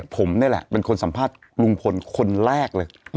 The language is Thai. ผมนี่แหละเป็นคนสัมภาษณ์ลุงพลคนแรกเลย